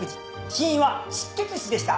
死因は失血死でした。